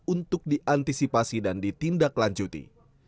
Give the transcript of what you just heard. untuk diantisipasi dan ditindaklanjuti